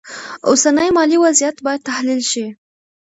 اوسنی مالي وضعیت باید تحلیل شي.